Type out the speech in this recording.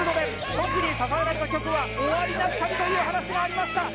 特に支えられた曲は「終わりなき旅」という話がありました